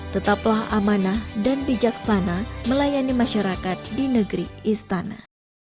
tetaplah amanah dan bijaksana melayani masyarakat di negeri istana